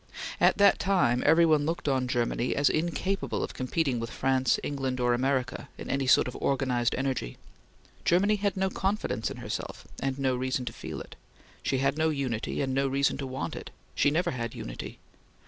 At that time everyone looked on Germany as incapable of competing with France, England or America in any sort of organized energy. Germany had no confidence in herself, and no reason to feel it. She had no unity, and no reason to want it. She never had unity.